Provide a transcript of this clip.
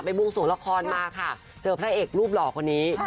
บวงสวงละครมาค่ะเจอพระเอกรูปหล่อคนนี้